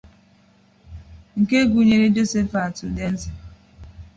nke gụnyere Josephat Udeze